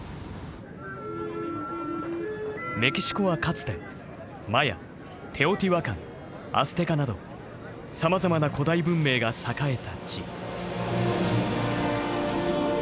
メキシコはかつてマヤテオティワカンアステカなどさまざまな古代文明が栄えた地。